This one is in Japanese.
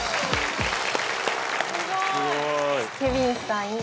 すごい。